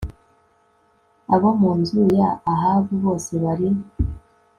abo mu nzu ya ahabu bose bari